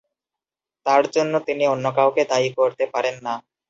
তার জন্য তিনি অন্য কাউকে দায়ী করতে পারেন না।